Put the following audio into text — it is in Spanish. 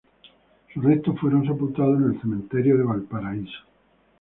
Sus restos fueron sepultados en el Cementerio de Valparaíso.